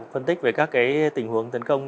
phân tích về các cái tình huống tấn công